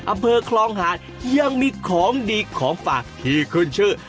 อำเภอคลองหาดยังมีของดีของฝากที่ขึ้นชื่อ